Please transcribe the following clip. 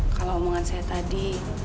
kalau omongan saya tadi